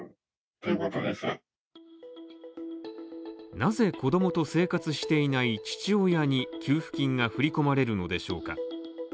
なぜ子供と生活していない父親に給付金が振り込まれるのでしょうか？